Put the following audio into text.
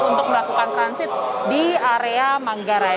untuk melakukan transit di area manggarai